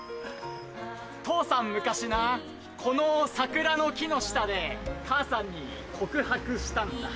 父さん昔なこの桜の木の下で母さんに告白したんだ。